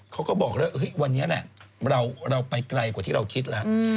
เขาก็บอกแล้ววันนี้แหละเราไปไกลกว่าที่เราคิดแล้ว